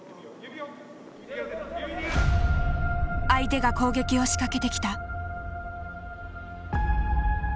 相手が攻撃を仕掛けてきた。